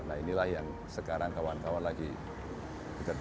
nah inilah yang sekarang kawan kawan lagi bekerja